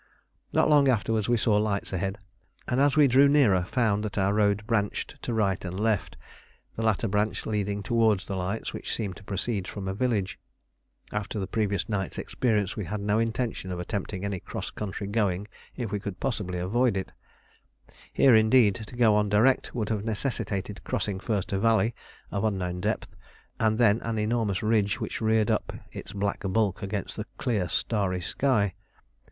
Not long afterwards we saw lights ahead, and as we drew nearer found that our road branched to right and left, the latter branch leading towards the lights which seemed to proceed from a village. After the previous night's experience we had no intention of attempting any cross country going if we could possibly avoid it. Here, indeed, to go on direct would have necessitated crossing first a valley of unknown depth, and then an enormous ridge which reared up its black bulk against the clear starry sky.